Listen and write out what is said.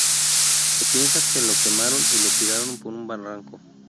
Se piensa que lo quemaron y lo tiraron por un barranco.